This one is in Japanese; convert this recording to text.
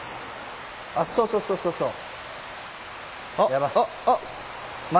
そうそうそうそうそう。